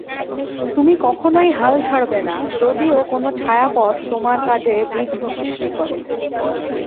তুমি কখনই হাল ছাড়বেন না, যদিও কোনো ছায়াপথ তোমার কাজে বিঘ্ন সৃষ্টি করে।